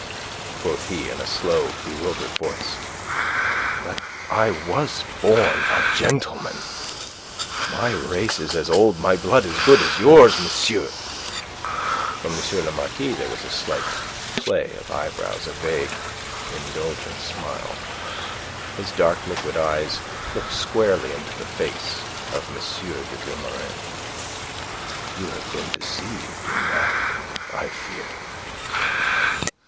quoth he, in a slow, bewildered voice. "But I was born a gentleman. My race is as old, my blood as good as yours, monsieur." From M. le Marquis there was a slight play of eyebrows, a vague, indulgent smile. His dark, liquid eyes looked squarely into the face of M. de Vilmorin. "You have been deceived in that, I fear."